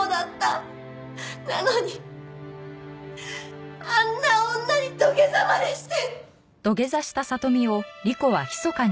なのにあんな女に土下座までして！